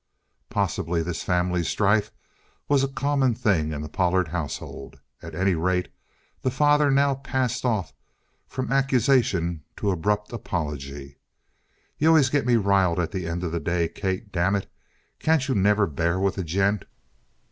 Possibly this family strife was a common thing in the Pollard household. At any rate, the father now passed off from accusation to abrupt apology. "You always get me riled at the end of the day, Kate. Damn it! Can't you never bear with a gent?"